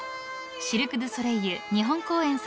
［シルク・ドゥ・ソレイユ日本公演最新作］